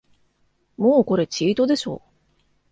もうこれチートでしょ